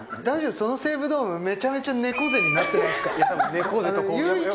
その西武ドーム、めちゃくちゃ猫背になってないですか。